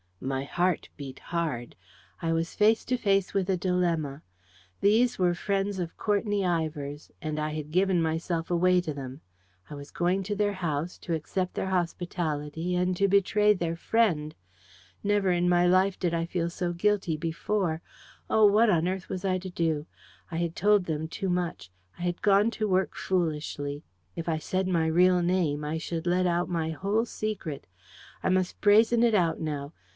My heart beat hard. I was face to face with a dilemma. These were friends of Courtenay Ivor's, and I had given myself away to them. I was going to their house, to accept their hospitality and to betray their friend! Never in my life did I feel so guilty before. Oh! what on earth was I to do? I had told them too much; I had gone to work foolishly. If I said my real name, I should let out my whole secret. I must brazen it out now.